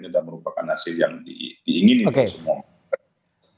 dan merupakan hasil yang diinginkan semua